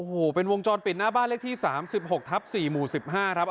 โอ้โหเป็นวงจรปิดหน้าบ้านเลขที่๓๖ทับ๔หมู่๑๕ครับ